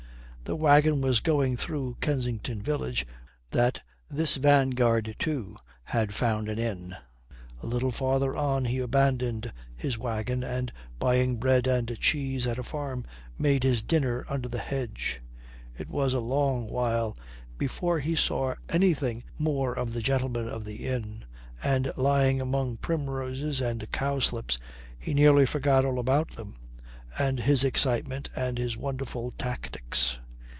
The wagon was going through Kensington village when he saw that this vanguard too had found an inn. A little farther on he abandoned his wagon and, buying bread and cheese at a farm, made his dinner under the hedge. It was a long while before he saw anything more of the gentlemen of the inn, and lying among primroses and cowslips he nearly forgot all about them and his excitement and his wonderful tactics.